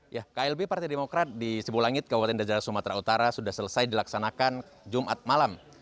ya klb partai demokrat di sibu langit kabupaten dajara sumatera utara sudah selesai dilaksanakan jumat malam